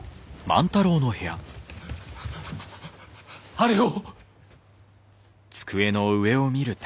あれを！